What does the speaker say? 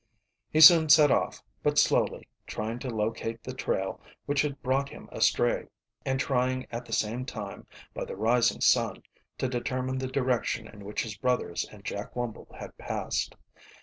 He soon set off, but slowly, trying to locate the trail which had brought him astray, and trying at the same time, by the rising sun, to determine the direction in which his brothers and Jack Wumble had passed.